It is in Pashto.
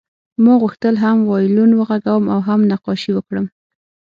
ما غوښتل هم وایلون وغږوم او هم نقاشي وکړم